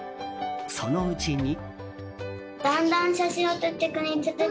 そのうちに。